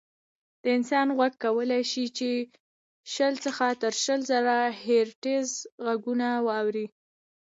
د انسان غوږ کولی شي شل څخه تر شل زره هیرټز غږونه واوري.